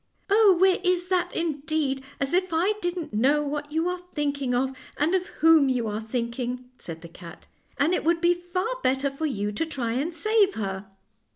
" Oh, where is that, indeed ! as if I didn't know what you are thinking of, and of whom you are thinking," said the cat; "and it would be far better for you to try and save her."